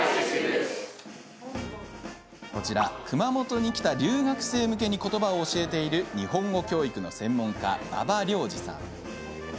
こちら、熊本に来た留学生向けにことばを教えている日本語教育の専門家馬場良二さん。